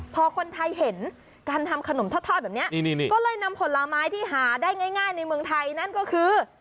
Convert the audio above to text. พอคนไทยเห็นการทำขนมทอดแบบนี้ก็เลยนำผลไม้ที่หาได้ง่ายในเมืองไทยนั่นก็คือ